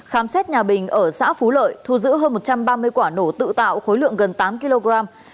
khám xét nhà bình ở xã phú lợi thu giữ hơn một trăm ba mươi quả nổ tự tạo khối lượng gần tám kg